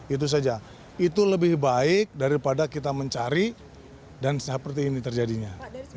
itu saja itu lebih baik daripada kita mencari dan seperti ini terjadinya